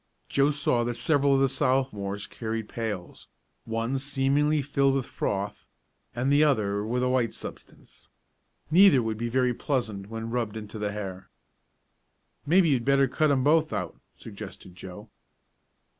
Joe saw that several of the Sophomores carried pails, one seemingly filled with froth, and the other with a white substance. Neither would be very pleasant when rubbed into the hair. "Maybe you'd better cut 'em both out," suggested Joe.